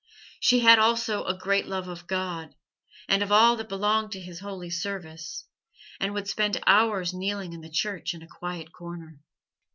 She had also a great love of God and of all that belonged to His holy service, and would spend hours kneeling in the church in a quiet corner.